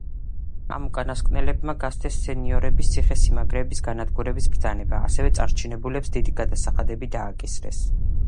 ამ უკანასკნელებმა გასცეს სენიორების ციხე-სიმაგრეების განადგურების ბრძანება, ასევე წარჩინებულებს დიდი გადასახადები დააკისრეს.